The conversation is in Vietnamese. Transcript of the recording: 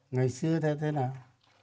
ngày xưa thế thế nào